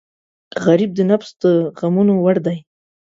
غریب د نفس د غمونو وړ دی